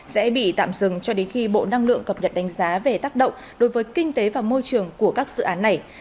sẽ bị tạm dừng cho đến khi bộ năng lượng cập nhật đánh giá về tác động đối với kinh tế và môi trường của các dự án này